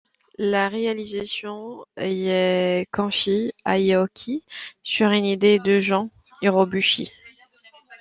La réalisation est confiée à Ei Aoki sur une idée de Gen Urobuchi.